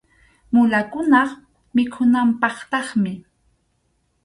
Mulakunap mikhunanpaqtaqmi.